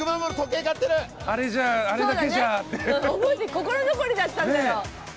心残りだったんだよ。